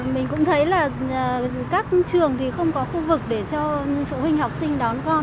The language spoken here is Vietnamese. mình cũng thấy là các trường thì không có khu vực để cho phụ huynh học sinh đón con